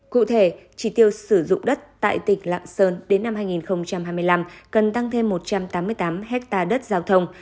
cụ thể chỉ tiêu sử dụng đất tại tỉnh lạng sơn đến năm hai nghìn hai mươi năm cần tăng thêm một trăm tám mươi tám ha đất giao thông